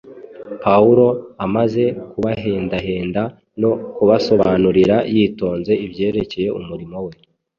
Pawulo amaze kubahendahenda no kubasobanurira yitonze ibyerekeye umurimo we